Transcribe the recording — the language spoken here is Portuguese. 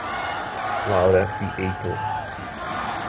Laura e Heitor